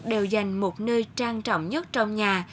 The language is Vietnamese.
đều dành một nơi trang trọng nhất trong nhà